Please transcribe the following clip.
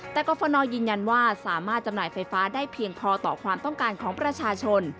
แต่กรฟนยืนยันว่าสามารถจำหน่ายไฟฟ้าได้เพียงพอต่อความต้องการของประชาชน